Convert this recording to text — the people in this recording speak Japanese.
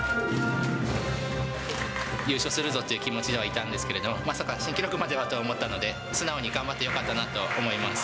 優勝するぞって気持ちではいたんですけれども、まさか新記録まではと思ったので、素直に頑張ってよかったなと思います。